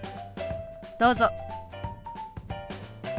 どうぞ。